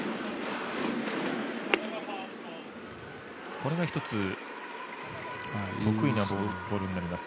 これが一つ得意なボールになります